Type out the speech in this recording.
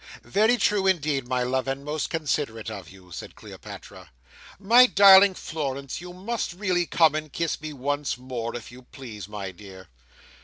"Very true indeed, my love, and most considerate of you!" said Cleopatra. "My darling Florence, you must really come and kiss me once more, if you please, my dear!"